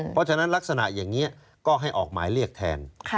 เพราะฉะนั้นลักษณะอย่างนี้ก็ให้ออกหมายเรียกแทน